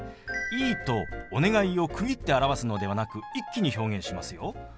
「いい」と「お願い」を区切って表すのではなく一気に表現しますよ。